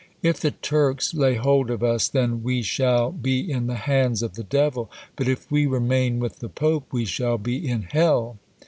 If the Turks lay hold of us, then we shall be in the hands of the Devil; but if we remain with the Pope, we shall be in hell.